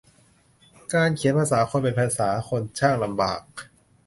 การเขียนภาษาคนเป็นภาษาคนช่างลำบาก